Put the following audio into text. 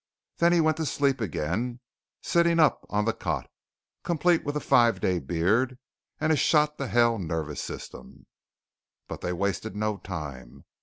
Then he went to sleep again, sitting up on the cot, complete with a five day beard, and a shot to hell nervous system. But they wasted no time.